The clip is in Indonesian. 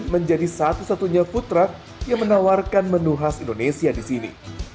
menjadi satu satunya food truck yang menawarkan menu khas indonesia di sini